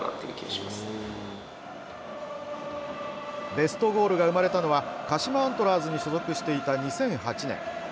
ベストゴールが生まれたのは鹿島アントラーズに所属していた２００８年。